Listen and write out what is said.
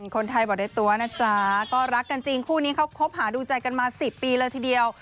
คนไทยบอกได้ตัวนะจ๊ะก็รักกันจริงคู่นี้เขาคบหาดูใจกันมา๑๐ปีเลยทีเดียว